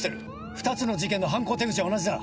２つの事件の犯行手口は同じだ。